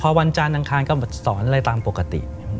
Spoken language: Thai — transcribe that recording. พอวันจานทางคลานก็สอนอะไรตามปกติ